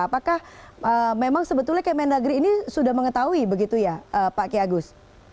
apakah memang sebetulnya kmn dagri ini sudah mengetahui begitu ya pak kiyagus